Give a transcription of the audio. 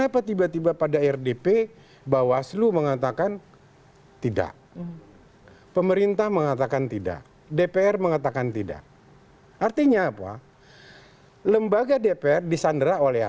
jadi jangan dibawa kepada ranah